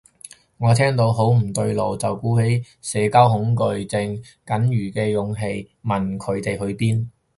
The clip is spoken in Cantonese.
我聽到好唔對路，就鼓起社交恐懼症僅餘嘅勇氣問佢哋去邊